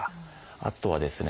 あとはですね